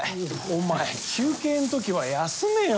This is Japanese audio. お前休憩んときは休めよ。